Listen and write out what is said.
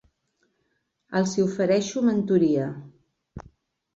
Els hi ofereixo mentoria.